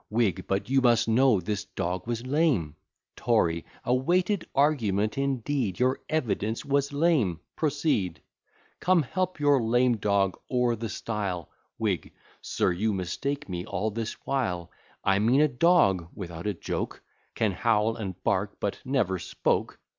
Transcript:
WHIG. But you must know this dog was lame. TORY. A weighty argument indeed! Your evidence was lame: proceed: Come, help your lame dog o'er the stile. WHIG. Sir, you mistake me all this while: I mean a dog (without a joke) Can howl, and bark, but never spoke.